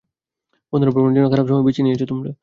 বন্ধুরা, ভ্রমণের জন্য খারাপ সময় বেছে নিয়েছ তোমরা।